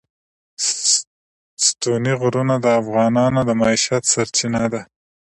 ستوني غرونه د افغانانو د معیشت سرچینه ده.